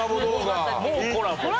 もうコラボ？